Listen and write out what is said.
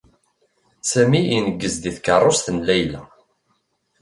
Sami ineggez di tkaṛust n Layla.